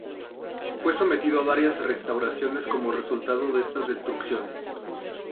Fue sometido a varias restauraciones como resultado de estas destrucciones.